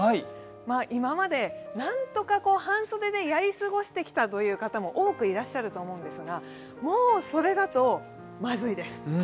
今までなんとか半袖でやり過ごしてきた方も多くいらっしゃると思うんですが、もう、それだとまずいです。